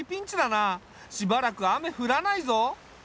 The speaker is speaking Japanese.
しばらく雨降らないぞ。